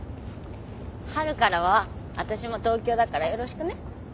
春からはわたしも東京だからよろしくね。